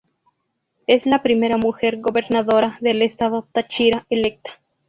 Es la primera mujer gobernadora del estado Táchira electa.